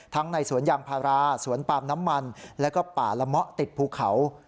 ในสวนยางพาราสวนปาล์มน้ำมันแล้วก็ป่าละเมาะติดภูเขา